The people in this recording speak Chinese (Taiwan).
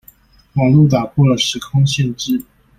網路打破了時空限制